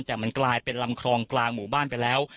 แต่มันกลายเป็นลำคลองกลางหมู่บ้านไปแล้ว